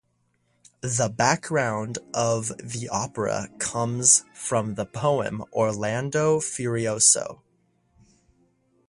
The background of the opera comes from the poem Orlando Furioso.